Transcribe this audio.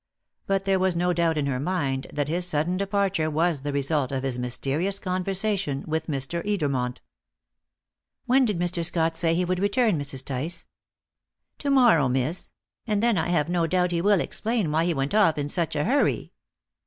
But there was no doubt in her mind that his sudden departure was the result of his mysterious conversation with Mr. Edermont. "When did Mr. Scott say he would return, Mrs. Tice?" "To morrow, miss; and then I have no doubt he will explain why he went off in such a hurry."